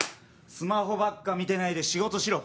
スマホばっか見てないで仕事しろ。